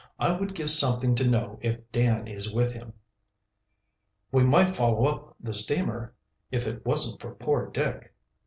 I would give something to know if Dan is with him." "We might follow up the steamer, if it wasn't for poor Dick."